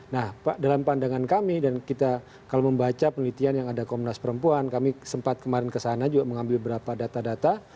nah dalam pandangan kami dan kita kalau membaca penelitian yang ada komnas perempuan kami sempat kemarin kesana juga mengambil beberapa data data